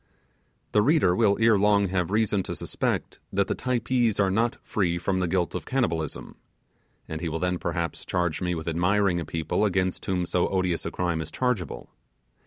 The reader will ere long have reason to suspect that the Typees are not free from the guilt of cannibalism; and he will then, perhaps, charge me with admiring a people against whom so odious a crime is chargeable.